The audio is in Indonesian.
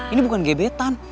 ini bukan gebetan